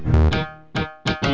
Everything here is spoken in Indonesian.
seperti mau ke luar